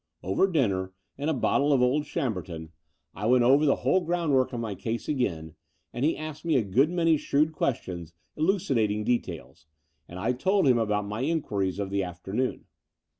Over dinner and a bottle of old Chambertin I ii8 The Door of the Unreal went over the whole groundwork of my case again, and he asked me a good many shrewd questions ducidating details; and I told him about my in quiries of the afternoon.